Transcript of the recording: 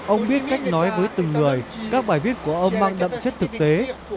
ông biết cách nói với từng người các bài viết của ông mang đậm chất thực tế